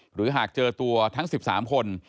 หรือหากเจอตัวทั้ง๑๓คน